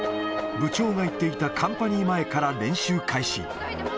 部長が言っていた、カンパニー前から練習開始。